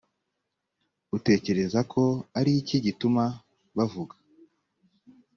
utekereza ko ari iki gituma bavuga